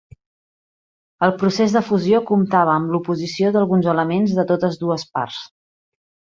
El procés de fusió comptava amb l'oposició d'alguns elements de totes dues parts.